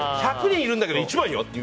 １００人いるんだけど１番よって。